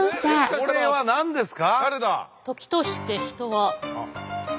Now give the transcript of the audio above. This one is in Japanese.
これは何ですか？